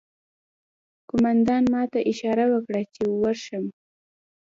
قومندان ماته اشاره وکړه چې ورشم